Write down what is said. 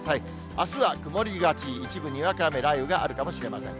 あすは曇りがち、一部にわか雨、雷雨があるかもしれません。